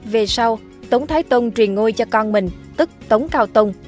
về sau tống thái tông truyền ngôi cho con mình tức tống cao tông